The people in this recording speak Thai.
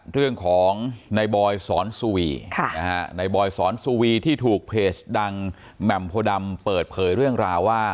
เรื่องของในบอยสอนสุวีในบอยสอนสุวีที่ถูกเพจดังแหม่มโพดำเปิดเผยเรื่องราวว่า